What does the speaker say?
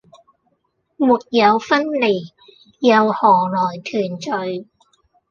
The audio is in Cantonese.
沒有分離，又可來團聚！